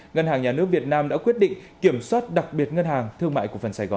ngân hàng nhà nước việt nam đã quyết định kiểm soát đặc biệt ngân hàng thương mại cổ phần sài gòn